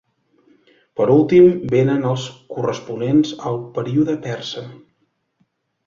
Per últim vénen els corresponents al període persa: